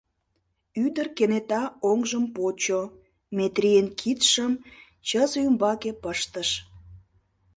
Ӱдыр кенета оҥжым почо, Метрийын кидшым чызе ӱмбаке пыштыш.